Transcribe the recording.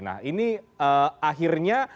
nah ini akhirnya